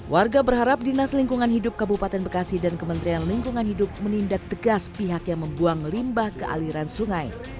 warga berharap dinas lingkungan hidup kabupaten bekasi dan kementerian lingkungan hidup menindak tegas pihak yang membuang limbah ke aliran sungai